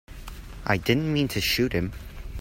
I didn't mean to shoot him.